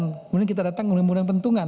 kemudian kita datang menembak nembak pentungan